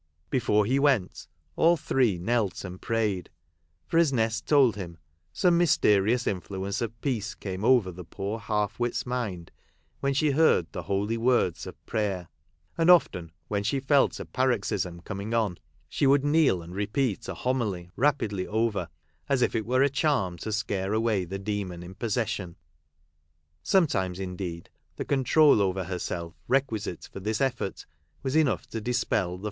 Before he went, all three knelt and prayed ; for, as Nest told him, some mysterious influence of peace came over the poor half wit's mind when she heard the holy words of prayer ; and often when she felt a paroxysm coming , she would kneel and repeat a homily rapidly over, as if it were a charm to scare away the Demon in possession ; sometimes, indeed, the control over herself requisite for this effort was enough to dispel the Charles Dickens.] THE WELL OF PEN MORFA.